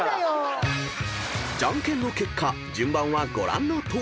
［じゃんけんの結果順番はご覧のとおり］